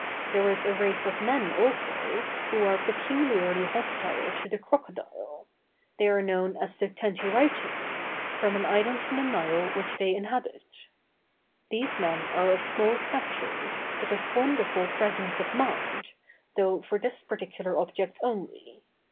There is a race of men also, who are peculiarly hostile to the crocodile; they are known as the Tentyritæ, from an island in the Nile which they inhabit. These men are of small stature, but of wonderful presence of mind, though for this particular object only.